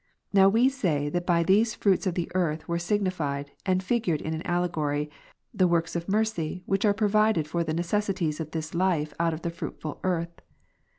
Now we said that by theae fruits of the earth were signified, and figured in an allegory, the works of mercy which are provided for the necessities of this life out of the fruitful earth.